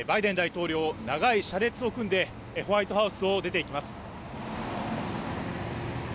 バイデン大統領、長い車列を組んでホワイトハウスを出て行きます。